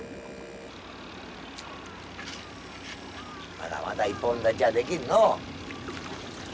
まだまだ一本立ちはできんのう。